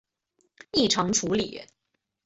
异常处理